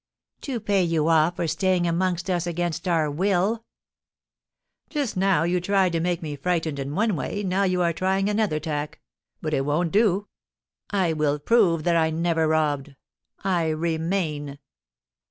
"To pay you off for staying amongst us against our will." "Just now you tried to make me frightened in one way, now you are trying another tack. But it won't do. I will prove that I never robbed. I remain."